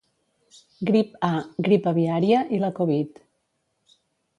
Grip A, grip aviària i la Covid.